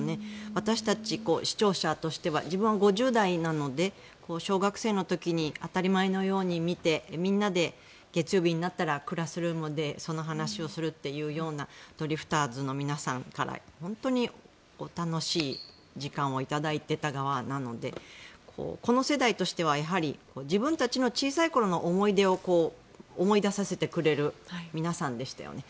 私たち、視聴者としては自分は５０代なので小学生の時に当たり前のように見てみんなで月曜日になったらクラスルームでその話をするというようなドリフターズの皆さんから本当に楽しい時間を頂いていた側なのでこの世代としては自分たちの小さい頃の思い出を思い出させてくれる皆さんでしたよね。